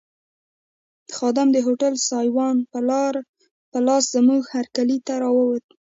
خادم د هوټل سایوان په لاس زموږ هرکلي ته راووت.